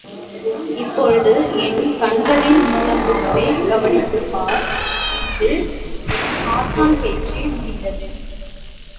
இப்பொழுது என் கண்களின் மூலமாகவே கவனித்துப் பார் என்று ஹாஸான் பேச்சு முடிந்தது.